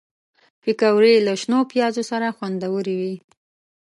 پکورې له شنو پیازو سره خوندورې وي